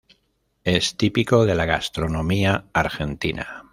Es típico de la gastronomía argentina.